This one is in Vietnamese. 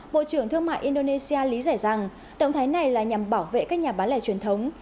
bộ trưởng thương mại indonesia lý giải rằng động thái này là nhằm bảo vệ các nhà bán lẻ truyền thống